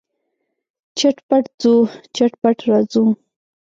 چټ پټ ځو، چټ پټ راځو.